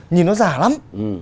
nhìn nó giả lắm